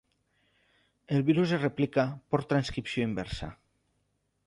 El virus es replica por transcripció inversa.